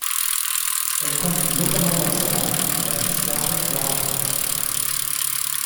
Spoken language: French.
Elle compte notamment dans ses rangs la pistarde Laura Trott.